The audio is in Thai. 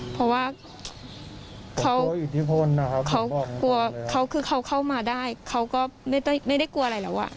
เพราะว่าเขากลัวเขาคือเขาเข้ามาได้เขาก็ไม่ได้ไม่ได้กลัวอะไรแล้วอ่ะ